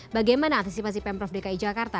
bagaimana antisipasi pemprov dki jakarta